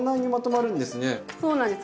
そうなんです